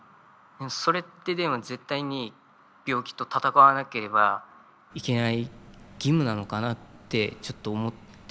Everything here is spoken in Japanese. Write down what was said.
それってでも絶対に病気と闘わなければいけない義務なのかなってちょっと思って。